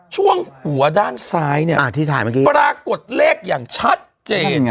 ช่วงหัวด้านซ้ายเนี่ยปรากฏเลขอย่างชัดเจน